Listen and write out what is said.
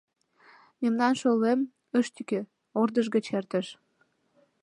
— Мемнам шолем ыш тӱкӧ, ӧрдыж гыч эртыш.